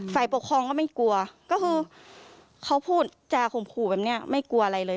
ฝ่ายปกครองก็ไม่กลัวก็คือเขาพูดจาข่มขู่แบบนี้ไม่กลัวอะไรเลย